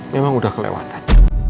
memang udah kelewatan